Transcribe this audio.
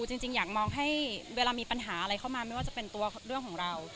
จริงอยากมองให้เวลามีปัญหาอะไรเข้ามาไม่ว่าจะเป็นตัวเรื่องของเรา